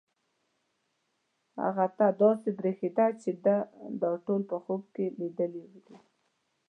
هغه ته داسې برېښېده چې ده دا ټول په خوب کې لیدلي دي.